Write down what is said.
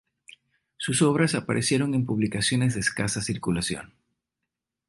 Sus obras aparecieron en publicaciones de escasa circulación.